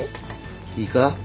いいか。